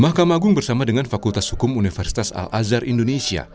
mahkamah agung bersama dengan fakultas hukum universitas al azhar indonesia